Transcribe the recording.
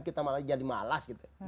kita malah jadi malas gitu